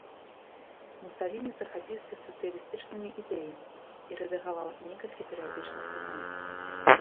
Мусаліні захапіўся сацыялістычнымі ідэямі і рэдагаваў некалькі перыядычных выданняў.